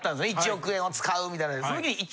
１億円を使うみたいなやつ。